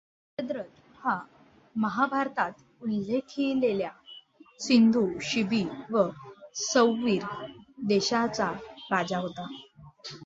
जयद्रथ हा महाभारतात उल्लेखिलेल्या सिंधु, शिबि व सौवीर देशांचा राजा होता.